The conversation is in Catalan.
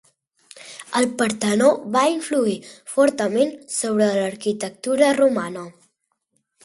El Partenó va influir fortament sobre l'arquitectura romana.